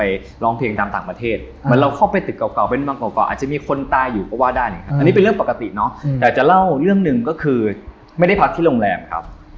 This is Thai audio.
อันนี้เป็นเรื่องปกติเนาะแต่จะเล่าเรื่องหนึ่งก็คือไม่ได้พักที่โรงแรมครับ